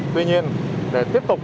tuy nhiên để tiếp tục